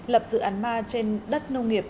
lập dự án ma trên đất nông nghiệp